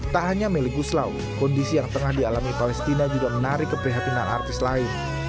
tak hanya meli guslau kondisi yang tengah dialami palestina juga menarik keprihatinan artis lain